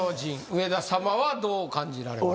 上田様はどう感じられましたか？